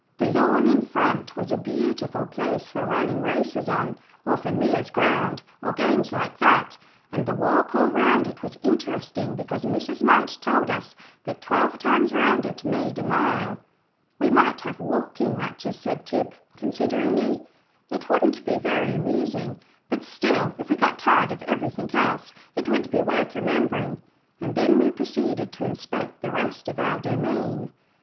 The lawn in front was a beautiful place for running races on, or for "Miller's ground," or games like that and the walk all round it was interesting because Mrs. Munt told us that twelve times round it, made a mile. "We might have walking matches," said Tib, consideringly. "It wouldn't be very amusing; but still, if we got tired of everything else, it would be worth remembering;" and then we proceeded to inspect the rest of our domain.